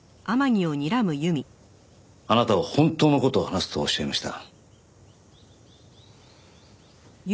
あなたは本当の事を話すとおっしゃいました。